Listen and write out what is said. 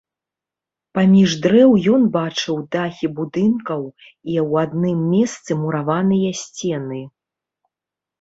Паміж дрэў ён бачыў дахі будынкаў і ў адным месцы мураваныя сцены.